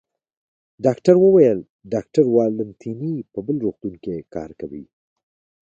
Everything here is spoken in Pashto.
ډاکټر وویل: ډاکټر والنتیني په بل روغتون کې کار کوي.